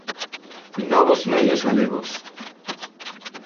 Novos medios galegos.